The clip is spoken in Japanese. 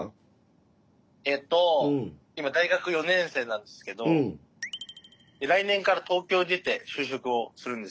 今大学４年生なんですけど来年から東京に出て就職をするんです。